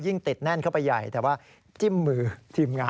ติดแน่นเข้าไปใหญ่แต่ว่าจิ้มมือทีมงาน